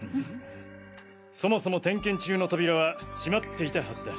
そもそも点検中の扉は閉まっていたはずだ。